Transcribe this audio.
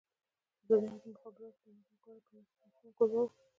ازادي راډیو د د مخابراتو پرمختګ په اړه د پرانیستو بحثونو کوربه وه.